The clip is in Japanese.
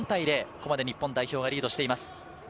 ここまで日本代表がリードしています。